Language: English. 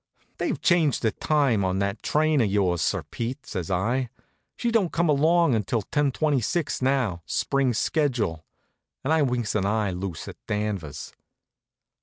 "They've changed the time on that train of yours, Sir Pete," says I. "She don't come along until ten twenty six now, spring schedule," and I winks an eye loose at Danvers.